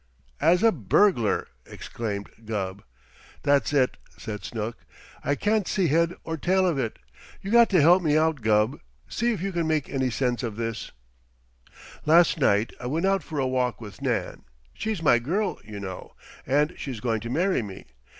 "As a burglar!" exclaimed Gubb. "That's it!" said Snooks. "I can't see head or tail of it. You got to help me out, Gubb. See if you can make any sense of this: "Last night I went out for a walk with Nan. She's my girl, you know, and she's going to marry me.